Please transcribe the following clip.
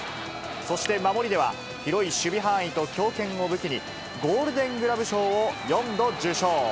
そして守りでは、広い守備範囲と強肩を武器に、ゴールデングラブ賞を４度受賞。